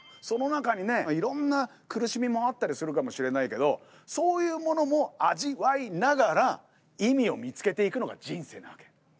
その中にねいろんな苦しみもあったりするかもしれないけどそういうものも味わいながら意味を見つけていくのが人生なわけ。